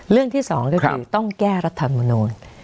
เรื่องที่สองก็คือต้องแก้รัฐมนูล